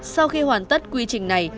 sau khi hoàn tất quy trình này